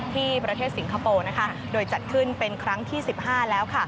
ที่ประเทศสิงคโปร์โดยจัดขึ้นเป็นครั้งที่๑๕แล้ว